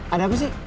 ada aku sih